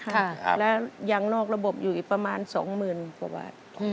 แล้วยังนอกระบบอยู่อีกประมาณสองหมื่นกว่าบาท